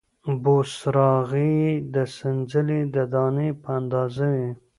بوسراغې یې د سنځلې د دانې په اندازه وې،